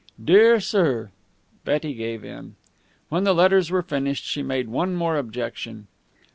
'Dear Sir '" Betty gave in. When the letters were finished, she made one more objection.